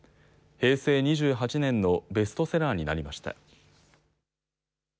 平成２８年のベストセラーになりました。